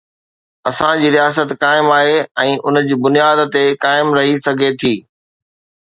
اسان جي رياست قائم آهي ۽ ان جي بنياد تي قائم رهي سگهي ٿي.